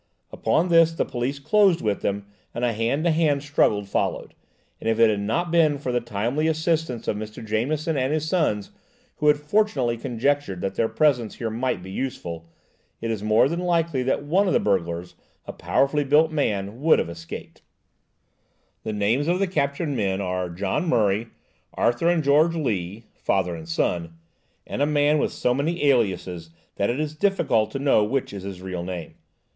Upon this the police closed upon them, and a hand to hand struggle followed, and if it had not been for the timely assistance of Mr. Jameson and his sons, who had fortunately conjectured that their presence here might be useful, it is more than likely that one of the burglars, a powerfully built man, would have escaped. A HAND TO HAND STRUGGLE. "The names of the captured men are John Murray, Arthur and George Lee (father and son), and a man with so many aliases that it is difficult to know which is his real name.